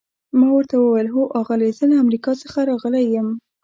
ما ورته وویل: هو آغلې، زه له امریکا څخه راغلی یم.